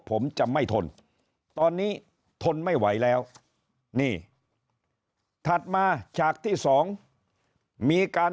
ผมจะไม่ทนตอนนี้ทนไม่ไหวแล้วนี่ถัดมาฉากที่สองมีการ